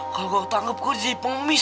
kalau gue ketangkep kerjanya pangmis